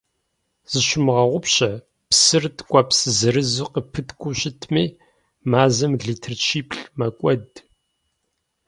Зыщумыгъэгъупщэ: псыр ткӀуэпс зырызу къыпыткӀуу щытми, мазэм литр щиплӀ мэкӀуэд.